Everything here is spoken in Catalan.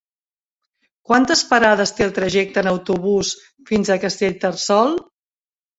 Quantes parades té el trajecte en autobús fins a Castellterçol?